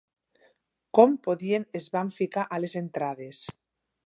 Com podien es van ficar a les entrades